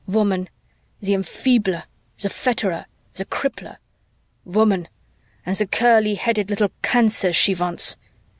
Woman, the enfeebler, the fetterer, the crippler! Woman! and the curly headed little cancers she wants!"